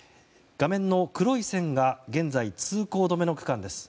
画面の黒い線が現在、通行止めの区間です。